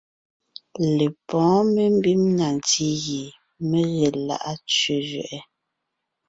Lepɔ̌ɔn membím na ntí gie mé ge lá’a tsẅé zẅɛʼɛ;